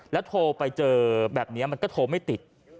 แล้วโทรไปเจอแบบนี้มันก็โทรไม่ติด